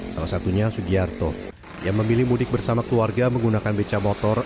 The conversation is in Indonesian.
salah satunya sugiarto yang memilih mudik bersama keluarga menggunakan beca motor